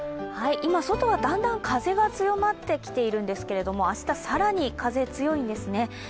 今、外はだんだん風が強まってきているんですけれども明日、更に風が強いんですね。